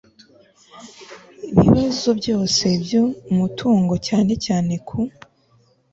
bibazo byose by umutungo cyane cyane ku